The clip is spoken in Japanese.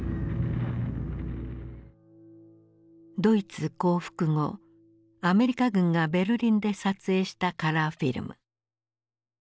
ドイツ降伏後アメリカ軍がベルリンで撮影したカラーフィルム。